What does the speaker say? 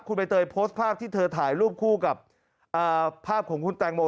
คุณใบเตยโพสต์ภาพที่เธอถ่ายรูปคู่กับภาพของคุณแตงโม